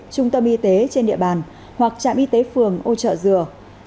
trung tâm y tế trên địa bàn hoặc trạm y tế phường ô trợ dừa chín trăm bảy mươi ba bốn mươi bốn